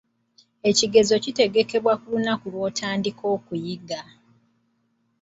Ekigezo kitegekebwa ku lunaku lw'otandika okuyiga.